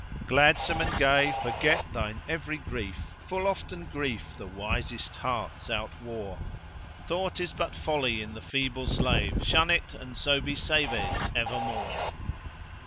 — Gladsome and gay forget thine every grief * Full often grief the wisest hearts outwore: Thought is but folly in the feeble slave * Shun it and so be saved evermore.